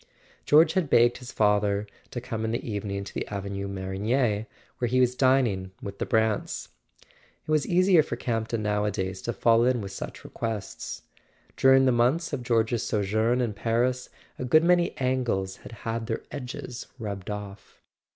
George had begged his father to come in the evening to the Avenue Marigny, where he was dining with the Brants. It [ 380 ] A SON AT THE FRONT was easier for Campton nowadays to fall in with such requests: during the months of George's sojourn in Paris a good many angles had had their edges rubbed off.